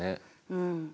うん。